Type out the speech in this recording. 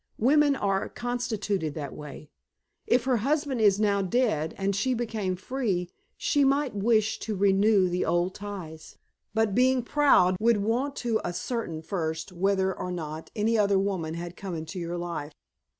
Women are constituted that way. If her husband is now dead, and she became free, she might wish to renew the old ties, but, being proud, would want to ascertain first whether or not any other woman had come into your life."